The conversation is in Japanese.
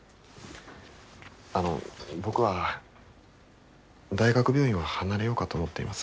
あの僕は大学病院は離れようかと思っています。